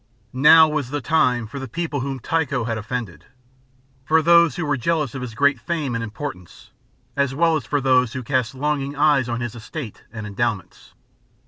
Now was the time for the people whom Tycho had offended, for those who were jealous of his great fame and importance, as well as for those who cast longing eyes on his estate and endowments.